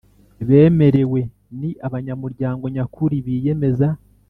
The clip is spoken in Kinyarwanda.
Bemerewe ni abanyamuryango nyakuri biyemeza